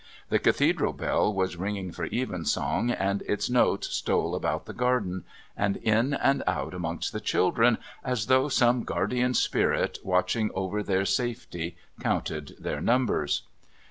The Cathedral bell was ringing for evensong, and its notes stole about the garden, and in and out amongst the children, as though some guardian spirit watching over their safety counted their numbers.